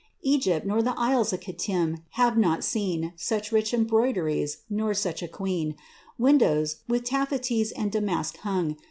Egypt nor isles of Chittim have not seen Such rich embroideries, nor such a queen ; Windows, with tafiaties and damask hung.